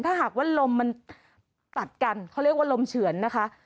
ถ้าหากว่าลมมันตัดกันเขาเรียกว่าลมเฉือนนะคะ